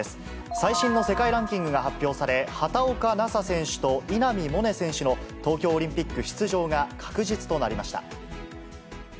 最新の世界ランキングが発表され、畑岡奈紗選手と稲見萌寧選手の東京オリンピック出場が確実となりました。